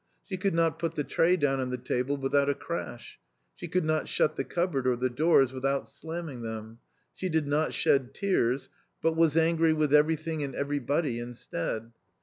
She could not put the tray down on the table without a crash ; she could not shut the cupboard or the doors without slamming them. She did not shed tears, but was angry with everything and every body instead.